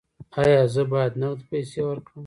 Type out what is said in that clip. ایا زه باید نغدې پیسې ورکړم؟